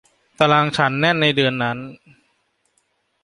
ตารางฉันแน่นในเดือนนั้น